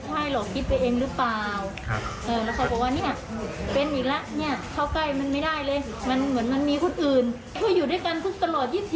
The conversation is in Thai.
โทรศัพท์เนี่ยก็ไม่ได้จับคือล็อกหน้าจอไว้ตลอด